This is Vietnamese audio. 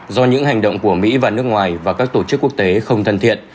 do những hành động của mỹ và nước ngoài và các tổ chức quốc tế không thân thiện